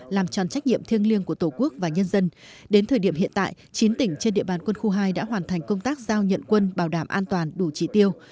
làm tròn trách nhiệm thiêng liêng của tổ quốc và nhân dân đến thời điểm hiện tại chín tỉnh trên địa bàn quân khu hai đã hoàn thành công tác giao nhận quân bảo đảm an toàn đủ trị tiêu